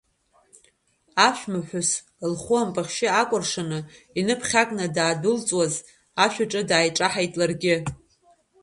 Аԥшәмаԥҳәыс лхәы ампахьшьы акәыршаны, иныԥхьакны дандәылҵуаз, ашәаҿы дааиҿаҳаит ларгьы.